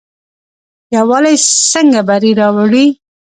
یووالی څنګه بری راوړي؟